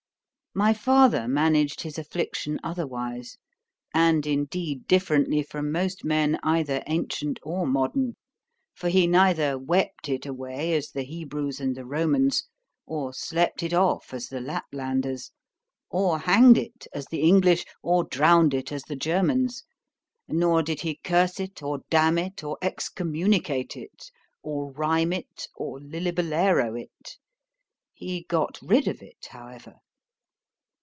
My father managed his affliction otherwise; and indeed differently from most men either ancient or modern; for he neither wept it away, as the Hebrews and the Romans—or slept it off, as the Laplanders—or hanged it, as the English, or drowned it, as the Germans,—nor did he curse it, or damn it, or excommunicate it, or rhyme it, or lillabullero it.—— ——He got rid of it, however.